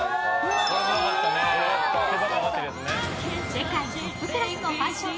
世界トップクラスのファッション